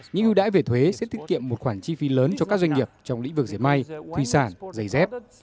những ưu đãi về thuế sẽ tiết kiệm một khoản chi phí lớn cho các doanh nghiệp trong lĩnh vực dẹp may thủy sản giày dép